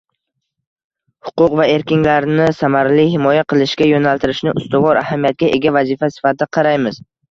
huquq va erkinliklarini samarali himoya qilishga yo‘naltirishni ustuvor ahamiyatga ega vazifa sifatida qaraymiz.